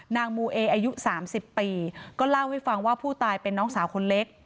มูเออายุ๓๐ปีก็เล่าให้ฟังว่าผู้ตายเป็นน้องสาวคนเล็ก